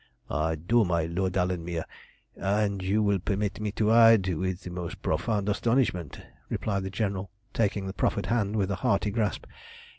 "I do, my Lord Alanmere, and, you will permit me to add, with the most profound astonishment," replied the General, taking the proffered hand with a hearty grasp.